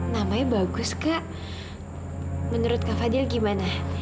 namanya bagus kak menurut kak fadil gimana